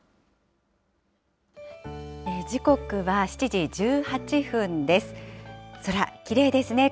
時刻は７時１８分です。